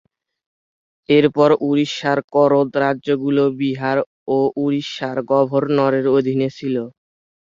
এরপর উড়িষ্যার করদ রাজ্যগুলো বিহার ও উড়িষ্যার গভর্নরের অধীনে ছিল।